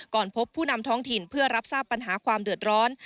พบผู้นำท้องถิ่นเพื่อรับทราบปัญหาความเดือดร้อน